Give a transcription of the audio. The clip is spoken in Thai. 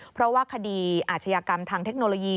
เพราะว่าคดีอาชญากรรมทางเทคโนโลยี